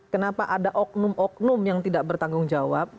kenapa ada oknum oknum yang tidak bertanggung jawab